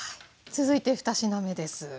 続いて２品目です。